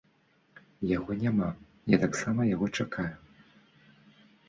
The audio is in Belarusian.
Яго няма, я таксама яго чакаю.